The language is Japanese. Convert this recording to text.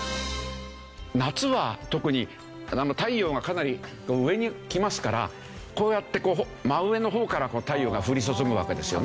夏は特に太陽がかなり上に来ますからこうやって真上の方から太陽が降り注ぐわけですよね。